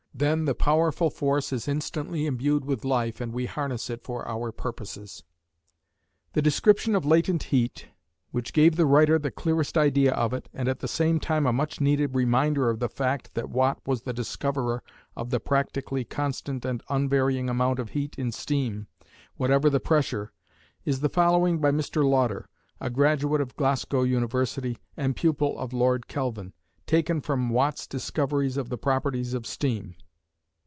Then the powerful force is instantly imbued with life and we harness it for our purposes. The description of latent heat which gave the writer the clearest idea of it, and at the same time a much needed reminder of the fact that Watt was the discoverer of the practically constant and unvarying amount of heat in steam, whatever the pressure, is the following by Mr. Lauder, a graduate of Glasgow University and pupil of Lord Kelvin, taken from "Watt's Discoveries of the Properties of Steam."